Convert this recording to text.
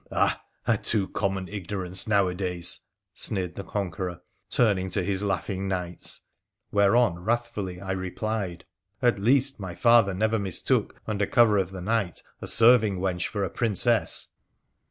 ' Ah ! a too common ignorance nowadays !' sneered the Conqueror, turning to his laughing knights. Whereon wrathfully I replied :' At least, my father never mistook, under cover of the night, a serving wench for a Princess